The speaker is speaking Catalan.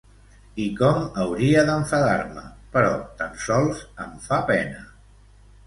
I com hauria d'enfadar-me, però tan sols em fa pena.